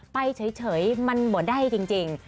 ไปเฉยมันเหมือนได้จริง